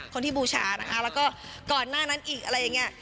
คนที่บูชานะคะแล้วก็ก่อนหน้านั้นอีกอะไรอย่างนี้